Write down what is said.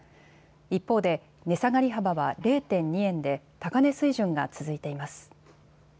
一方で値下がり幅は０．２円で高値水準が続いています。